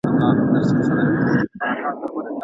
په کور کي سبزیجات کرلای سو؟